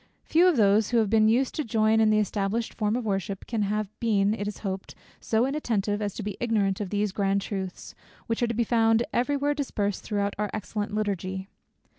Few of those, who have been used to join in the established form of worship, can have been, it is hoped, so inattentive, as to be ignorant of these grand truths, which are to be found every where dispersed throughout our excellent Liturgy.